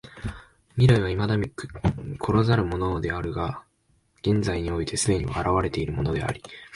未来は未だ来らざるものであるが現在において既に現れているものであり、